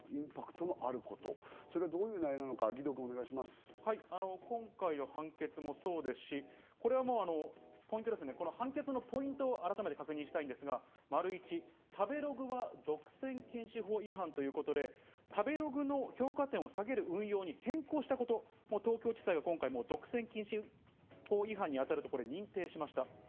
それはどういう内容なのか、今回の判決もそうですし、判決のポイントを改めて確認したいんですが、１、食べログは独占禁止法違反ということで、食べログの評価点を下げる運用に変更したこと、東京地裁は今回、独占禁止法違反に当たると認定しました。